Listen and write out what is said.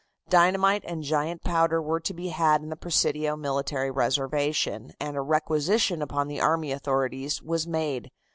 Dynamite and giant powder were to be had in the Presidio military reservation, and a requisition upon the army authorities was made.